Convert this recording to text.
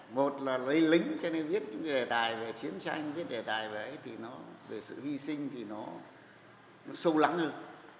một là lấy lính cho nên viết đầy tài về chiến tranh viết đầy tài về sự hy sinh thì nó sâu lắng hơn